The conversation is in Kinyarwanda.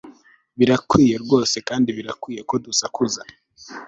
Birakwiriye rwose kandi birakwiye ko dusakuza